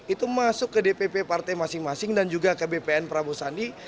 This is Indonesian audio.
itu masuk ke dpp partai masing masing dan juga ke bpn prabowo sandi